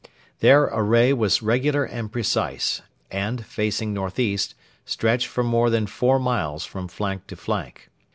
Their array was regular and precise, and, facing northeast, stretched for more than four miles from flank to flank.